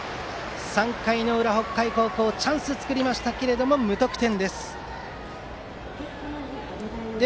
３回の裏、北海高校はチャンスを作りましたが無得点。